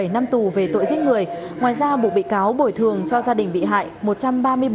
một mươi bảy năm tù về tội giết người ngoài ra bụng bị cáo bồi thường cho gia đình bị hại